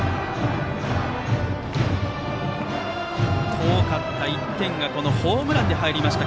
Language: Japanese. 遠かった１点がホームランで入りました